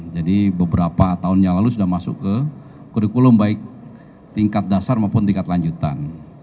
jadi beberapa tahun yang lalu sudah masuk ke kurikulum baik tingkat dasar maupun tingkat lanjutan